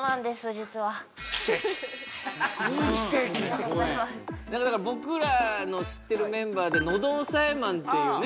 実は奇跡僕らの知ってるメンバーで喉押さえマンっていうね